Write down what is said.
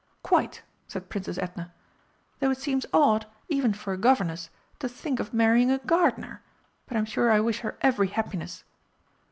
"Quite," said Princess Edna, "though it seems odd even for a Governess to think of marrying a gardener! But I'm sure I wish her every happiness."